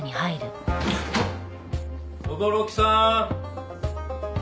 轟木さん？